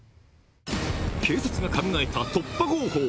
警察が考えた突破方法